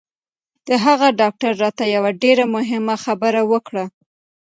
د هغه ډاکتر راته یوه ډېره مهمه خبره وکړه